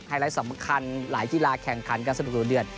ไลท์สำคัญหลายกีฬาแข่งขันกันสนุกดูเดือด